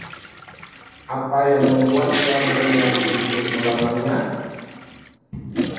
Apa yang membuatnya berniat untuk melamarnya?